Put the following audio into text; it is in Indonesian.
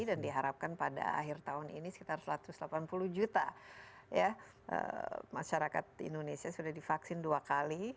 dan diharapkan pada akhir tahun ini sekitar satu ratus delapan puluh juta ya masyarakat indonesia sudah divaksin dua kali